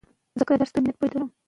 شننه روانه وه.